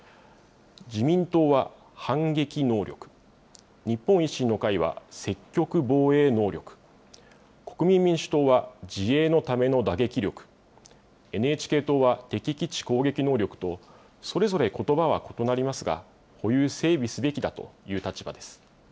自民党は反撃能力、日本維新の会は積極防衛能力、国民民主党は自衛のための打撃力、ＮＨＫ党は敵基地攻撃能力と、それぞれことばは異なりますが、保有・整備すべきだという立場です。